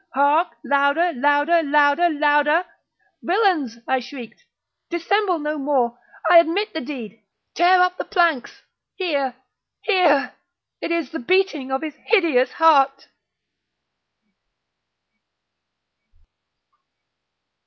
—hark! louder! louder! louder! louder! "Villains!" I shrieked, "dissemble no more! I admit the deed!—tear up the planks!—here, here!—It is the beating of his hideous heart!"